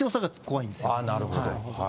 なるほど。